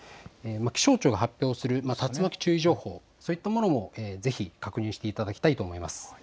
気象庁が発表する竜巻注意情報、そういったものもぜひ確認していただきたいと思います。